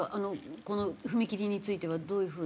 この踏切についてはどういう風に？